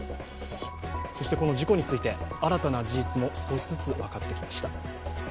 そしてこの事故について新たな事実も少しずつ分かってきました。